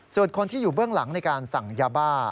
ส่วนคนที่อยู่เบื้องหลังในการสั่งยาบ้า